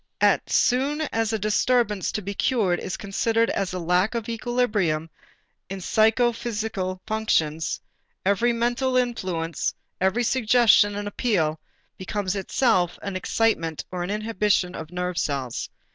As soon as a disturbance to be cured is considered as a lack of equilibrium in psychophysical functions, every mental influence, every suggestion and appeal becomes itself an excitement or an inhibition of nerve cells.